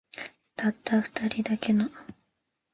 たった二人だけの